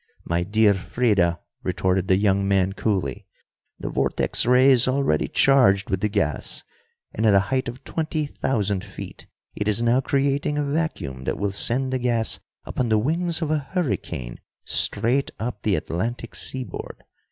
"My dear Freda," retorted the young man coolly, "the vortex ray is already charged with the gas, and at a height of twenty thousand feet it is now creating a vacuum that will send the gas upon the wings of a hurricane straight up the Atlantic seaboard.